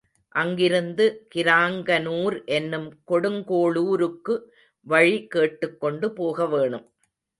அங்கிருந்து கிராங்கனூர் என்னும் கொடுங்கோளூருக்கு வழி கேட்டுக் கொண்டு போக வேணும்.